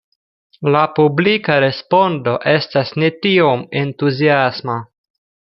La publika respondo estas ne tiom entuziasma.